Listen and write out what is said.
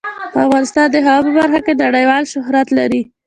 افغانستان د هوا په برخه کې نړیوال شهرت لري.